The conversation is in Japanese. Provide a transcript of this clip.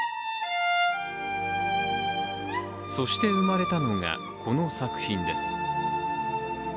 そして生まれたのが、この作品です。